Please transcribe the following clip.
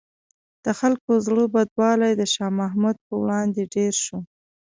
د خلکو زړه بدوالی د شاه محمود په وړاندې ډېر شو.